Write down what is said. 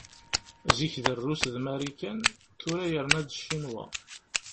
Zik d Rrus d Marikan, tura yerna-d Ccinwa.